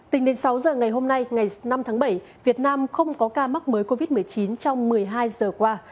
tính đến sáu giờ ngày hôm nay ngày năm tháng bảy việt nam không có ca mắc mới covid một mươi chín trong một mươi hai giờ qua